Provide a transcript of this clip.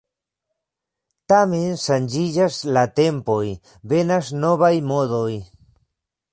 Tamen ŝanĝiĝas la tempoj, venas novaj modoj.